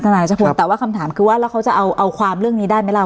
สนานอาจารย์พูดครับแต่ว่าคำถามคือว่าแล้วเขาจะเอาเอาความเรื่องนี้ได้ไหมล่ะ